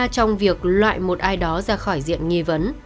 trong việc loại một ai đó ra khỏi diện nghi vấn